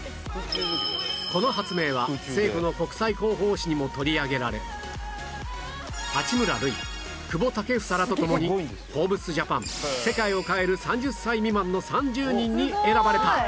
この発明は政府の国際広報誌にも取り上げられ八村塁久保建英らと共にフォーブスジャパン「世界を変える３０歳未満の３０人」に選ばれた